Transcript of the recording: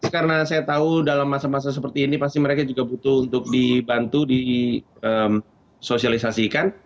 karena saya tau dalam masa masa seperti ini pasti mereka juga butuh untuk dibantu di sosialisasikan